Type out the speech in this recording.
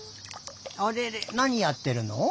あれれなにやってるの？